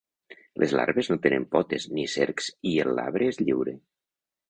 Les larves no tenen potes ni cercs i el labre és lliure.